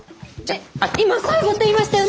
えっ今最後って言いましたよね？